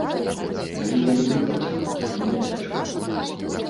Але я люблю працаваць, мне няцяжка.